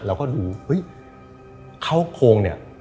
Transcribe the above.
เราก็ดูเฮ้ยเข้าโครงเนี่ย